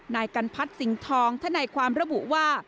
นายกันพัทธ์สิงธองท่านายความระบุว่า